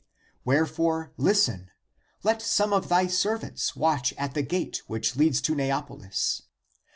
Wherefore listen: let some of thy (servants) watch at the gate which leads to Neapolis.